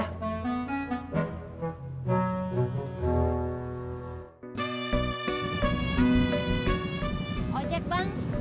oh jack bang